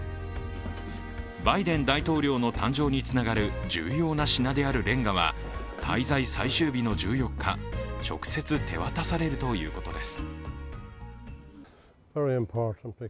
バイデン大統領の誕生につながる重要な品であるれんがは滞在最終日の１４日、直接手渡されるということです。